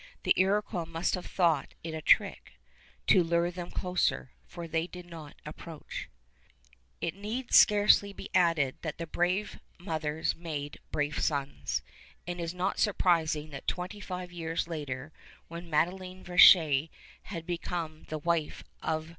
The Iroquois must have thought it a trick to lure them closer, for they did not approach. It need scarcely be added that brave mothers make brave sons, and it is not surprising that twenty five years later, when Madeline Verchères had become the wife of M.